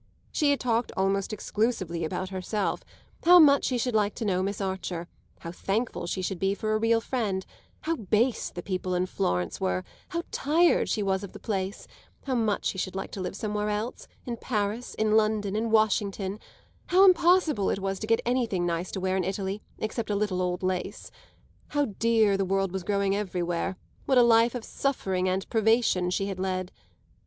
She had talked almost exclusively about herself; how much she should like to know Miss Archer; how thankful she should be for a real friend; how base the people in Florence were; how tired she was of the place; how much she should like to live somewhere else in Paris, in London, in Washington; how impossible it was to get anything nice to wear in Italy except a little old lace; how dear the world was growing everywhere; what a life of suffering and privation she had led.